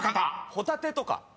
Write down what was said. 「ホタテ」とか？